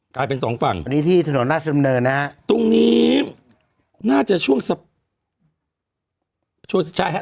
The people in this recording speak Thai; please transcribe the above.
กลายเป็น๒ฝั่งที่ถนนราชดำเนินนะตรงนี้น่าจะช่วงช่วงชายฮะ